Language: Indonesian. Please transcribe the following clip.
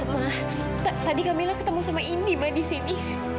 ma tadi kamila ketemu sama indi ma disini